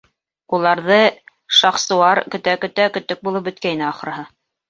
Уларҙы Шахсуар көтә-көтә көтөк булып бөткәйне, ахырыһы.